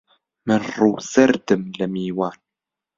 من ڕوو زەردم لە میوان